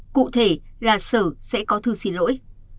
cụ thể là sở sẽ có thư xin lỗi